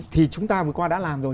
thì chúng ta vừa qua đã làm rồi